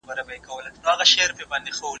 لوړ اواز غوږونه خرابوي.